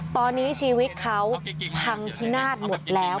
ตอนนี้ชีวิตเขาพังพินาศหมดแล้ว